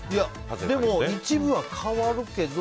でも、一部は変わるけど。